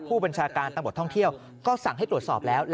ผู้บัญชาการตำรวจท่องเที่ยวก็สั่งให้ตรวจสอบแล้ว